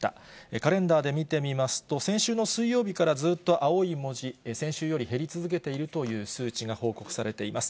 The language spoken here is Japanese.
カレンダーで見てみますと、先週の水曜日からずっと青い文字、先週より減り続けているという数値が報告されています。